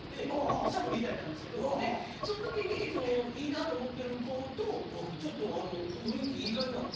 私はフリーターやったんですけどでその時にいいなと思ってる子とちょっと雰囲気いい感じになって。